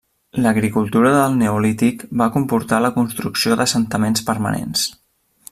L'agricultura del Neolític va comportar la construcció d'assentaments permanents.